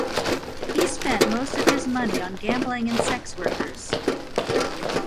He spent most of his money on gambling and sex workers.